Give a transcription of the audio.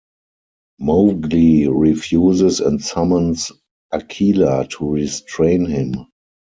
Mowgli refuses, and summons Akela to restrain him.